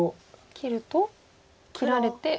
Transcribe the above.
切ると切られて。